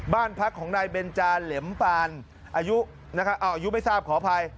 บ้านพักของนายเบนจาเหล็มปานอายุไม่ทราบขออภัย